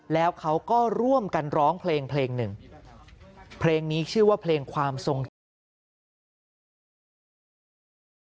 แล้วเขาก็ร่วมกันร้องเพลงเพลงหนึ่งเพลงนี้ชื่อว่าเพลงความทรงจำ